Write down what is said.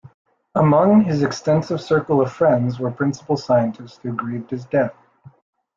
Among his extensive circle of friends were principal scientists who grieved his death.